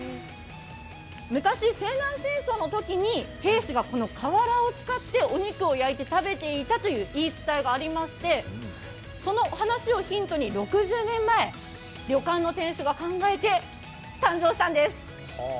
昔、西南戦争のときに兵士がこの瓦を使ってお肉を焼いて食べていたという言い伝えがありましてその話をヒントに６０年前、旅館の店主が考えて誕生したんです。